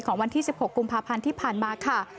วันที่๑๖กุมภาพันธ์ที่ผ่านมาค่ะ